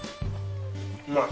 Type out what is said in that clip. うまい。